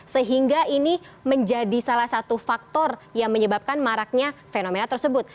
sehingga ini menjadi salah satu faktor yang menyebabkan maraknya fenomena tersebut